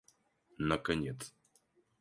наконец